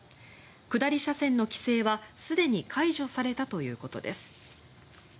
下り車線の規制は、すでに解除されたということです。